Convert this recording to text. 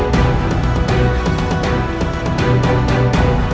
baik ayah ayah